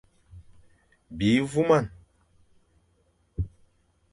Bi voumane.